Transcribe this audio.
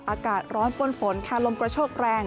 อากาศร้อนป้นฝนค่ะลมกระโชกแรง